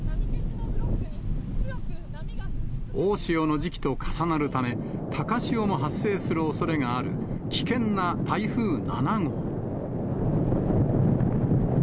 大潮の時期と重なるため、高潮も発生するおそれがある危険な台風７号。